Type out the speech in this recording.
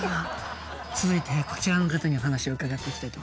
続いてこちらの方にお話を伺っていきたいと思います。